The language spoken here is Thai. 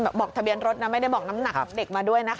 บอกทะเบียนรถนะไม่ได้บอกน้ำหนักของเด็กมาด้วยนะคะ